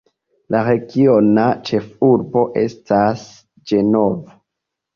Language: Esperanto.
La regiona ĉefurbo estas Ĝenovo.